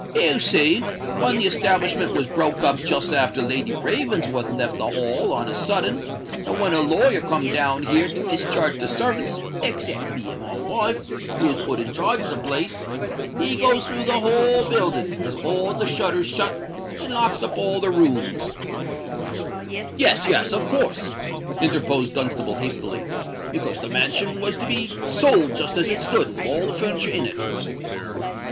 "You see, when the establishment was broke up just after Lady Ravensworth left the Hall on a sudden, and when her lawyer come down here to discharge the servants, except me and my wife, who was put in charge o' the place, he goes through the whole building, has all the shutters shut, and locks up all the rooms——" "Yes, yes—of course," interposed Dunstable, hastily: "because the mansion was to be sold just as it stood, with all the furniture in it."